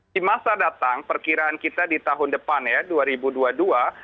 di masa datang perkiraan kita di tahun depan ya